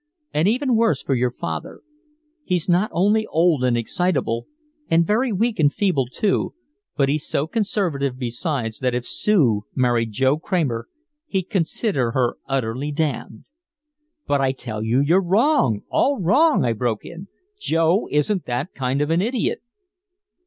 And even worse for your father. He's not only old and excitable, and very weak and feeble, too, but he's so conservative besides that if Sue married Joe Kramer he'd consider her utterly damned." "But I tell you you're wrong, all wrong!" I broke in. "Joe isn't that kind of an idiot!"